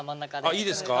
あいいですか？